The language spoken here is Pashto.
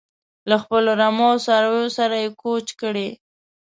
له خپلو رمو او څارویو سره یې کوچ کړی.